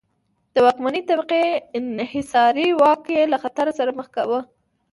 د واکمنې طبقې انحصاري واک یې له خطر سره مخ کاوه.